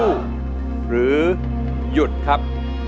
หรือหยุดครับ